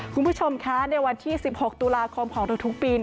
คุณผู้ชมคะในวันที่๑๖ตุลาคมของทุกปี